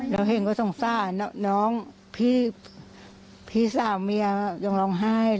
เราเห็นก็สงสารน้องพี่สาวเมียยังร้องไห้